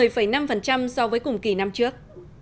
tăng một mươi năm so với cùng kỳ năm trước